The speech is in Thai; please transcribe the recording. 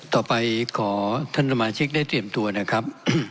ต่อไปขอท่านสมาชิกได้เตรียมตัวนะครับ